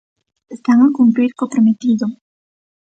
Están a cumprir co prometido.